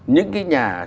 những cái nhà